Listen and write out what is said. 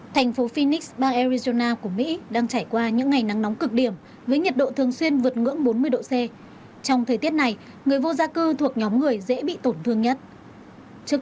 thành phố phoenix đã đề ra mục tiêu cần ưu tiên phục vụ nhóm người dễ bị tổn thương